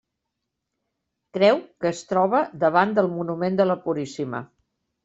Creu que es troba davant del Monument de la Puríssima.